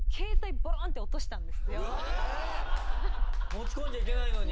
持ち込んじゃいけないのに？